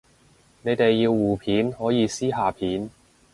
你哋要互片可以私下片